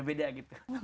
udah beda gitu